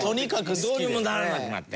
どうにもならなくなって。